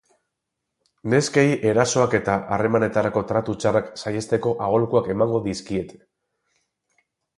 Neskei erasoak eta harremanetarako tratu txarrak saihesteko aholkuak emango dizkiete.